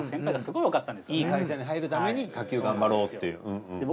いい会社に入るために卓球頑張ろうっていう。